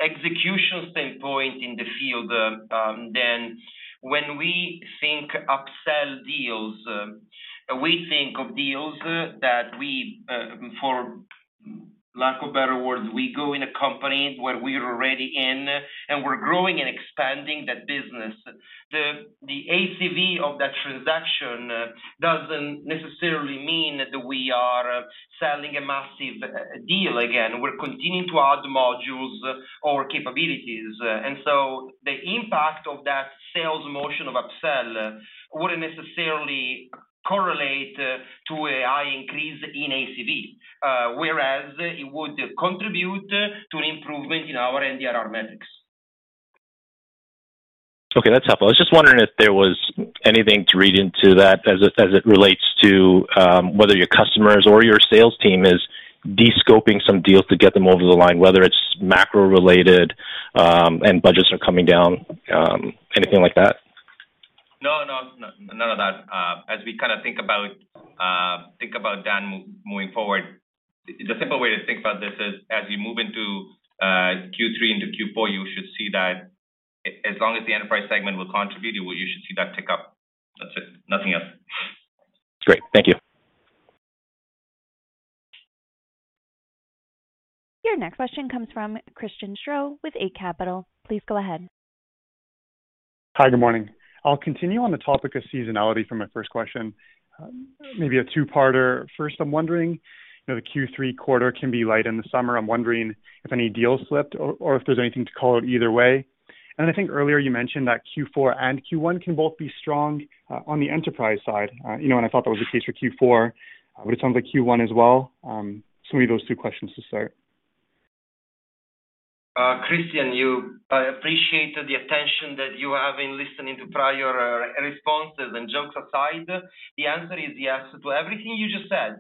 execution standpoint in the field, Dan, when we think of upsell deals, we think of deals that we, for lack of better words, go into a company where we're already in, and we're growing and expanding that business. The ACV of that transaction doesn't necessarily mean that we are a massive deal again. We're continuing to add modules or capabilities. The impact of that sales motion of upsell wouldn't necessarily correlate to a high increase in ACV, whereas it would contribute to an improvement in our NDR metrics. Okay, that's helpful. I was just wondering if there was anything to read into that as it relates to whether your customers or your sales team is de-scoping some deals to get them over the line, whether it's macro-related, and budgets are coming down, anything like that? No, no. None of that. As we kinda think about Docebo moving forward, the simple way to think about this is as we move into Q3 into Q4, you should see that as long as the enterprise segment will contribute, you should see that tick up. That's it. Nothing else. Great. Thank you. Your next question comes from Christian Sgro with Eight Capital. Please go ahead. Hi, good morning. I'll continue on the topic of seasonality for my first question. Maybe a two-parter. First, I'm wondering, you know, the Q3 quarter can be light in the summer. I'm wondering if any deals slipped or if there's anything to call it either way. I think earlier you mentioned that Q4 and Q1 can both be strong on the enterprise side. You know, and I thought that was the case for Q4, but it sounds like Q1 as well. Maybe those two questions to start. Christian, I appreciate the attention that you have in listening to prior responses, and jokes aside, the answer is yes to everything you just said.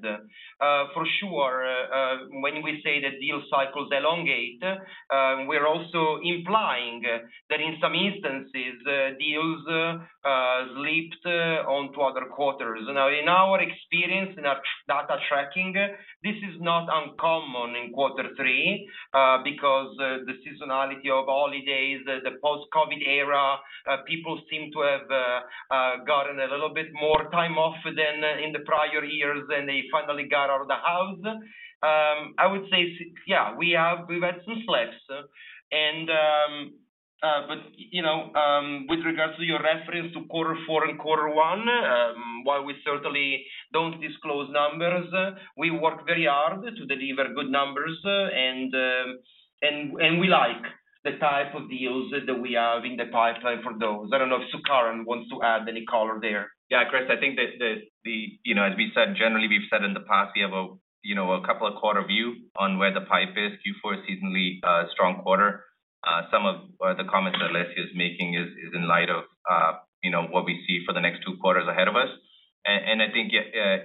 For sure, when we say the deal cycles elongate, we're also implying that in some instances, deals slipped onto other quarters. Now, in our experience, in our data tracking, this is not uncommon in quarter three, because the seasonality of holidays, the post-COVID era, people seem to have gotten a little bit more time off than in the prior years, and they finally got out of the house. I would say, yeah, we've had some slips. You know, with regards to your reference to quarter four and quarter one, while we certainly don't disclose numbers, we work very hard to deliver good numbers and we like the type of deals that we have in the pipeline for those. I don't know if Sukaran wants to add any color there. Yeah, Chris, I think that the you know, as we said, generally we've said in the past, we have a you know, a couple of quarter view on where the pipe is. Q4 is seasonally a strong quarter. Some of the comments that Alessio is making is in light of you know, what we see for the next two quarters ahead of us. I think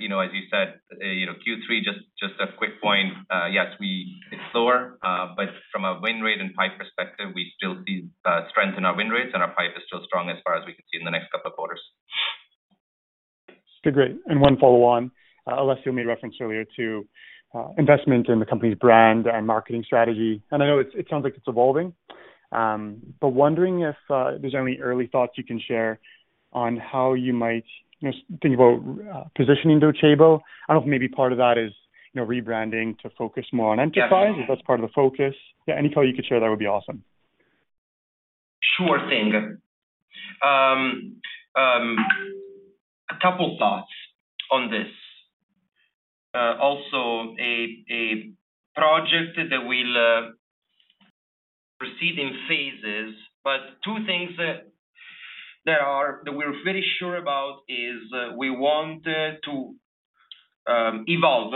you know, as you said you know, Q3, just a quick point, yes, it's slower, but from a win rate and pipe perspective, we still see strength in our win rates, and our pipe is still strong as far as we can see in the next couple of quarters. Okay. Great. One follow on, Alessio made reference earlier to investment in the company's brand and marketing strategy, and I know it sounds like it's evolving. Wondering if there's any early thoughts you can share on how you might, you know, think about positioning Docebo. I don't know if maybe part of that is, you know, rebranding to focus more on enterprise- Yeah. If that's part of the focus. Yeah, any color you could share, that would be awesome. Sure thing. A couple thoughts on this. Also a project that we'll proceed in phases, but two things that we're very sure about is we want to evolve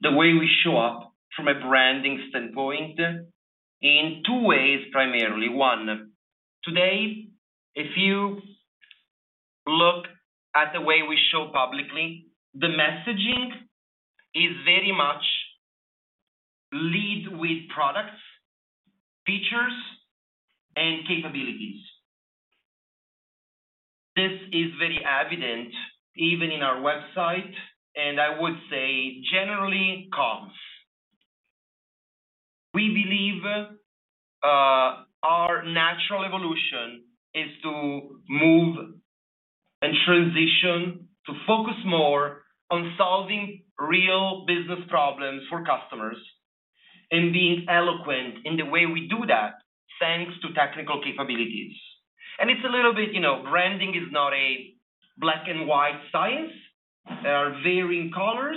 the way we show up from a branding standpoint in two ways primarily. One, today, if you look at the way we show publicly, the messaging is very much lead with products, features, and capabilities. This is very evident even in our website, and I would say generally comms. We believe our natural evolution is to move and transition to focus more on solving real business problems for customers and being eloquent in the way we do that, thanks to technical capabilities. It's a little bit, you know, branding is not a black and white science. There are varying colors,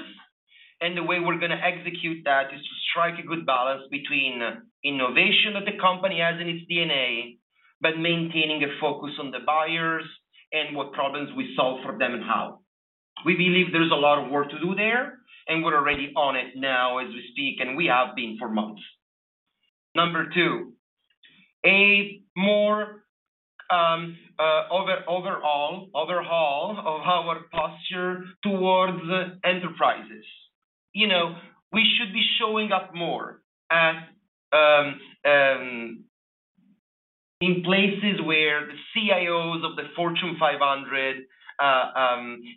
and the way we're gonna execute that is to strike a good balance between innovation that the company has in its DNA, but maintaining a focus on the buyers and what problems we solve for them and how. We believe there's a lot of work to do there, and we're already on it now as we speak, and we have been for months. Number two, a more overall overhaul of our posture towards enterprises. You know, we should be showing up more at in places where the CIOs of the Fortune 500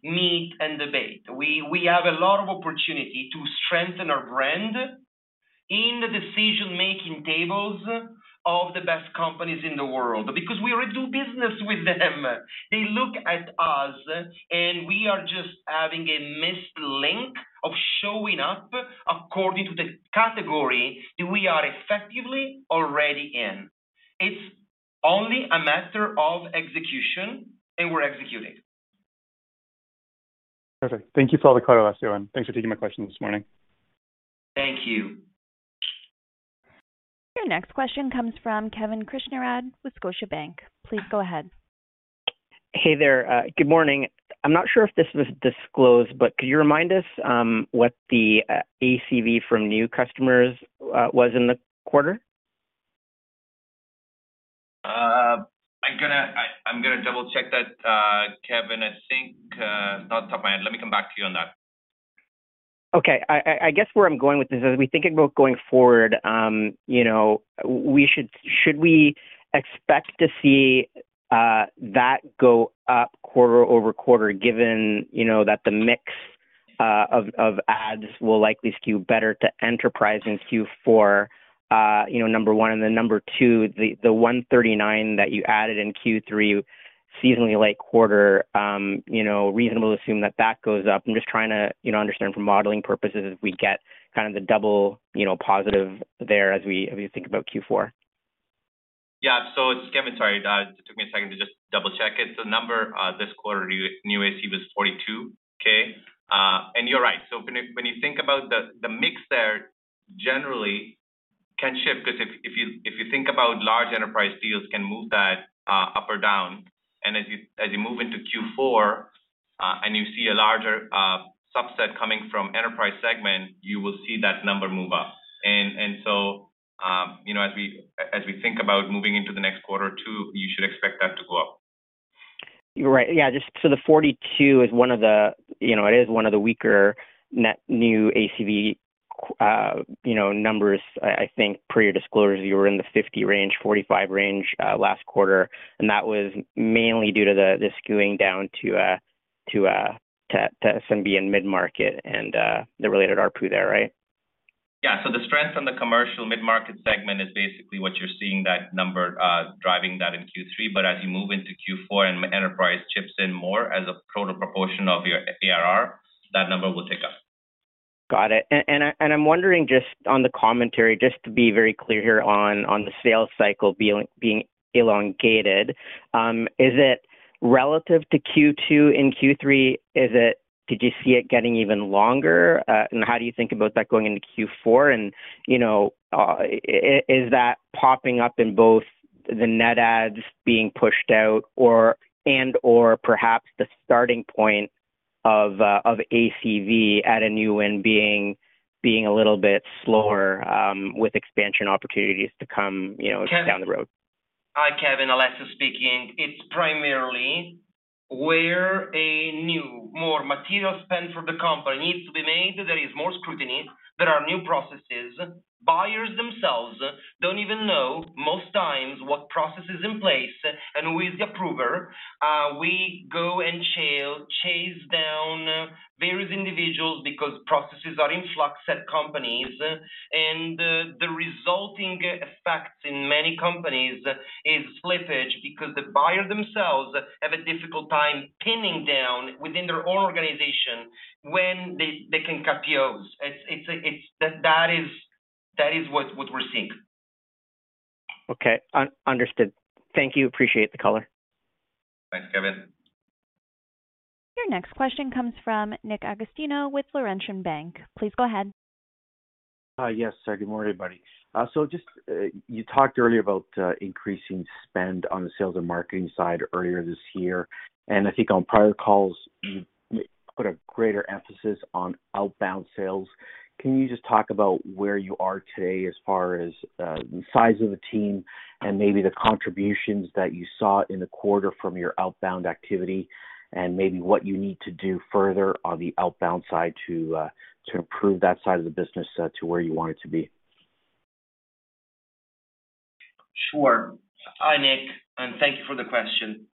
meet and debate. We have a lot of opportunity to strengthen our brand in the decision-making tables of the best companies in the world because we already do business with them. They look at us, and we are just having a missing link of showing up according to the category that we are effectively already in. It's only a matter of execution, and we're executing. Perfect. Thank you for all the color, Alessio, and thanks for taking my question this morning. Thank you. Your next question comes from Kevin Krishnaratne with Scotiabank. Please go ahead. Hey there. Good morning. I'm not sure if this was disclosed, but could you remind us, what the ACV from new customers was in the quarter? I'm gonna double-check that, Kevin. I think not off the top of my head. Let me come back to you on that. Okay. I guess where I'm going with this is, as we think about going forward, you know, should we expect to see that go up quarter-over-quarter given, you know, that the mix of adds will likely skew better to enterprise in Q4, you know, number one? Number two, the 139 that you added in Q3, seasonally light quarter, you know, reasonable to assume that goes up? I'm just trying to, you know, understand from modeling purposes if we get kind of the double, you know, positive there as we think about Q4. Yeah. Kevin, sorry, it took me a second to just double-check. It's a number, this quarter, new ACV was $42K. You're right. When you think about the mix there generally can shift 'cause if you think about large enterprise deals can move that up or down. As you move into Q4 and you see a larger subset coming from enterprise segment, you will see that number move up. You know, as we think about moving into the next quarter too, you should expect that to go up. You're right. Yeah, just so the 42 is one of the, you know, it is one of the weaker net new ACV, you know, numbers. I think per your disclosures, you were in the 50 range, 45 range last quarter, and that was mainly due to the skewing down to SMB and mid-market and the related ARPU there, right? The strength on the commercial mid-market segment is basically what you're seeing that number driving that in Q3. As you move into Q4 and enterprise kicks in more as a proper proportion of your ARR, that number will tick up. Got it. I'm wondering just on the commentary, just to be very clear here on the sales cycle being elongated, is it relative to Q2 and Q3? Is it? Did you see it getting even longer? How do you think about that going into Q4? You know, is that popping up in both the net adds being pushed out or and/or perhaps the starting point of ACV at a new win being a little bit slower, with expansion opportunities to come, you know, down the road? Hi, Kevin. Alessio speaking. It's primarily where a new more material spend for the company needs to be made, there is more scrutiny, there are new processes. Buyers themselves don't even know most times what process is in place and who is the approver. We go and chase down various individuals because processes are in flux at companies. The resulting effects in many companies is slippage because the buyer themselves have a difficult time pinning down within their own organization when they can approve. That is what we're seeing. Okay. Understood. Thank you. Appreciate the color. Thanks, Kevin. Your next question comes from Nick Agostino with Laurentian Bank. Please go ahead. Yes. Good morning, everybody. You talked earlier about increasing spend on the sales and marketing side earlier this year, and I think on prior calls you put a greater emphasis on outbound sales. Can you just talk about where you are today as far as the size of the team and maybe the contributions that you saw in the quarter from your outbound activity and maybe what you need to do further on the outbound side to improve that side of the business to where you want it to be? Sure. Hi, Nick, and thank you for the question.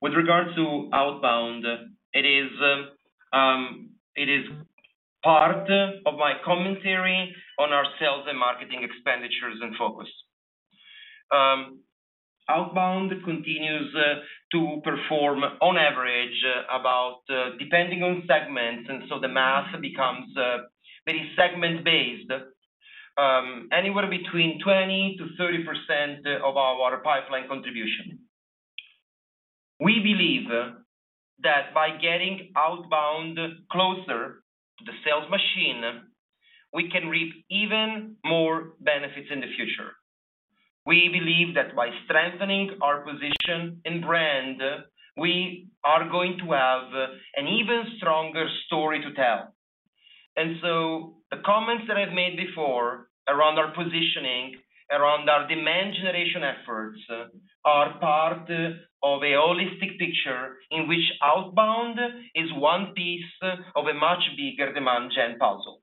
With regards to outbound, it is part of my commentary on our sales and marketing expenditures and focus. Outbound continues to perform on average about depending on segments, and so the math becomes very segment-based, anywhere between 20%-30% of our pipeline contribution. We believe that by getting outbound closer to the sales machine, we can reap even more benefits in the future. We believe that by strengthening our position and brand, we are going to have an even stronger story to tell. The comments that I've made before around our positioning, around our demand generation efforts are part of a holistic picture in which outbound is one piece of a much bigger demand gen puzzle.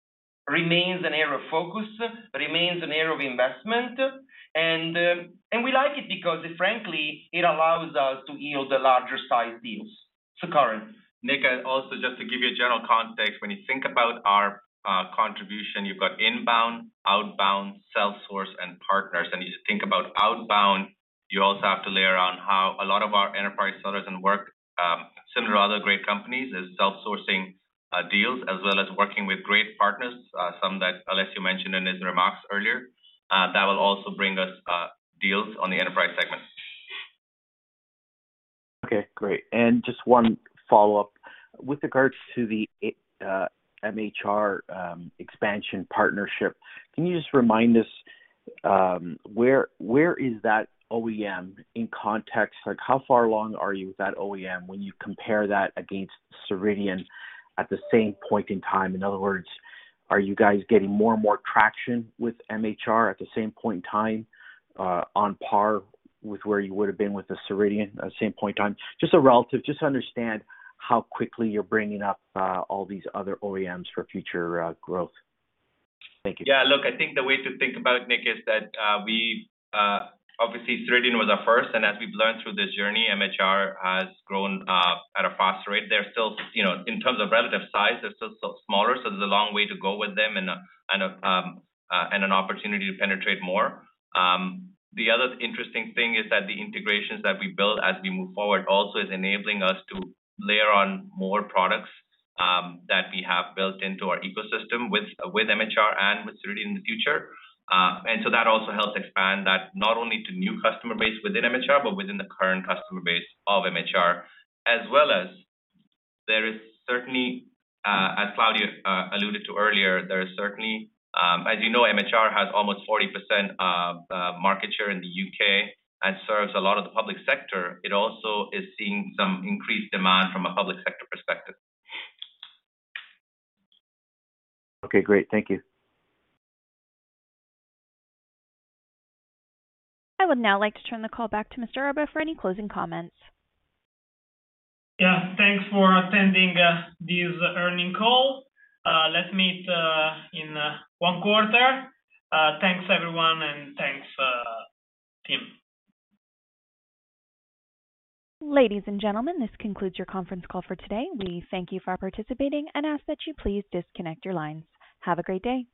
Remains an area of focus, remains an area of investment, and we like it because frankly, it allows us to yield the larger sized deals. Karan. Nick, also just to give you a general context, when you think about our contribution, you've got inbound, outbound, self-source, and partners. You think about outbound, you also have to layer on how a lot of our enterprise sellers work, similar to other great companies, is self-sourcing deals as well as working with great partners, some that Alessio mentioned in his remarks earlier, that will also bring us Deals on the enterprise segment. Okay, great. Just one follow-up. With regards to the MHR expansion partnership, can you just remind us where that OEM is in context? Like, how far along are you with that OEM when you compare that against Ceridian at the same point in time? In other words, are you guys getting more and more traction with MHR at the same point in time, on par with where you would have been with the Ceridian at the same point in time? Just a relative. Just to understand how quickly you're bringing up all these other OEMs for future growth. Thank you. Yeah. Look, I think the way to think about it, Nick, is that we obviously Ceridian was our first, and as we've learned through this journey, MHR has grown at a faster rate. They're still, you know, in terms of relative size, they're still so smaller, so there's a long way to go with them and an opportunity to penetrate more. The other interesting thing is that the integrations that we build as we move forward also is enabling us to layer on more products that we have built into our ecosystem with MHR and with Ceridian in the future. And so that also helps expand that not only to new customer base within MHR but within the current customer base of MHR. As well as there is certainly, as Claudio alluded to earlier, there is certainly. As you know, MHR has almost 40% of market share in the U.K. and serves a lot of the public sector. It also is seeing some increased demand from a public sector perspective. Okay, great. Thank you. I would now like to turn the call back to Mr. Erba for any closing comments. Yeah. Thanks for attending this earnings call. Let's meet in one quarter. Thanks everyone, and thanks, team. Ladies and gentlemen, this concludes your conference call for today. We thank you for participating and ask that you please disconnect your lines. Have a great day.